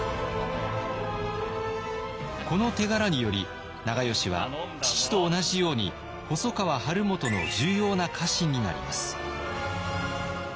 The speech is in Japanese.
この手柄により長慶は父と同じように細川晴元の重要な家臣になります。